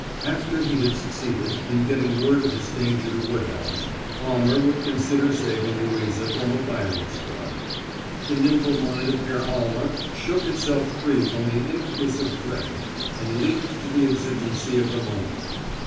After he had succeeded in getting word of his danger to Woodhouse, Almer would consider saving Louisa from a firing squad. The nimble mind of Herr Almer shook itself free from the incubus of dread and leaped to the exigency of the moment.